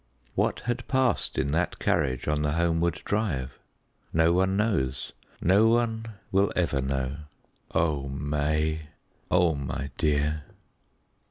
_" What had passed in that carriage on the homeward drive? No one knows no one will ever know. Oh, May! oh, my dear!